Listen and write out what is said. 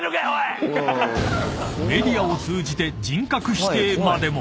［メディアを通じて人格否定までも］